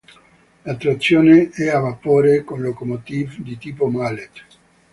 La trazione è a vapore con locomotive di tipo Mallet.